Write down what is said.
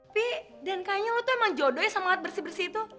pi dan kayaknya lo tuh emang jodohnya sama loat bersih bersih itu